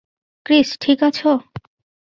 Chris, ঠিক আছো?